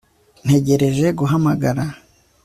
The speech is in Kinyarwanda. Ntegereje guhamagara